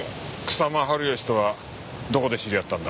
草間治義とはどこで知り合ったんだ？